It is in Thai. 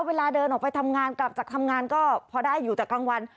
เวลาเดินออกไปทำงานกลับจากทำงานก็พอได้อยู่แต่กลางวัน